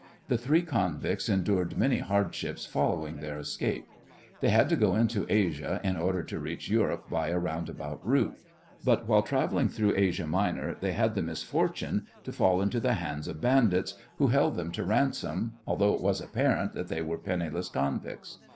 The three convicts endured many hardships following their escape. They had to go into Asia in order to reach Europe by a roundabout route, but while travelling through Asia Minor they had the misfortune to fall into the hands of bandits, who held them to ransom, although it was apparent that they were penniless convicts.